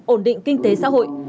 ổn định kinh tế xã hội